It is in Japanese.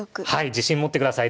自信持ってください。